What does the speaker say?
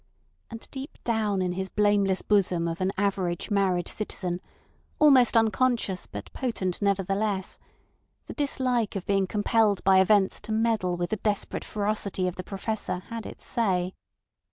And deep down in his blameless bosom of an average married citizen, almost unconscious but potent nevertheless, the dislike of being compelled by events to meddle with the desperate ferocity of the Professor had its say.